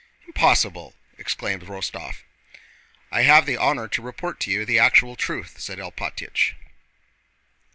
"Impossible!" exclaimed Rostóv. "I have the honor to report to you the actual truth," said Alpátych.